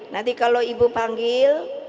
nanti kalau ibu panggil